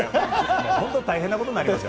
本当、大変なことになりますよ。